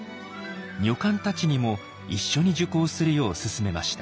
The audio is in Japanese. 女官たちにも一緒に受講するよう勧めました。